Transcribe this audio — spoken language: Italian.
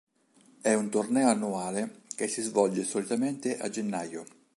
È un torneo annuale che si svolge solitamente a gennaio.